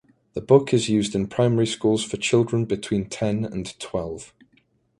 The book is used in primary schools for children between ten and twelve.